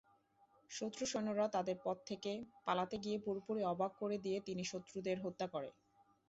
শত্রু সৈন্যরা তাদের পদ থেকে পালাতে গিয়ে পুরোপুরি অবাক করে দিয়ে তিনি শত্রুদের হত্যা করে।